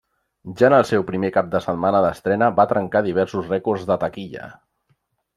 Ja en el seu primer cap de setmana d'estrena, va trencar diversos rècords de taquilla.